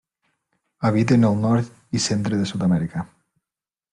Habiten el nord i centre de Sud-amèrica.